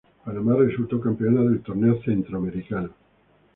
Panamá resultó campeón del torneo Centroamericano.